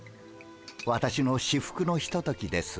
私の至福のひとときです。